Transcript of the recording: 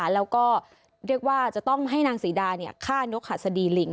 แล้วก็เรียกว่าจะต้องให้นางศรีดาฆ่านกหัสดีลิง